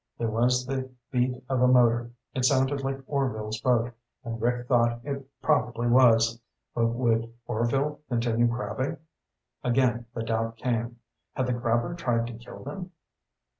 There was the beat of a motor. It sounded like Orvil's boat, and Rick thought it probably was. But would Orvil continue crabbing? Again the doubt came. Had the crabber tried to kill them?